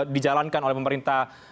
dijalankan oleh pemerintah